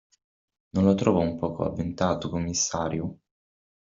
Non lo trova un poco avventato, commissario?